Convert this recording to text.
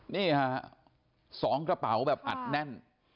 นี่ฮะ๒กระเป๋าแบบอัดแน่น